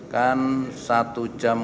kan satu jam